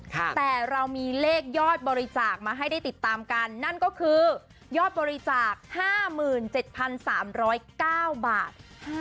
แต่เรามีเลขยอดบริจาคมาให้ได้ติดตามกันนั่นก็คือยอดบริจาค๕๗๓๐๙บาท